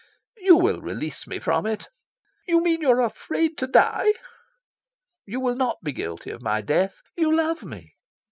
"You will release me from it." "You mean you are afraid to die?" "You will not be guilty of my death. You love me."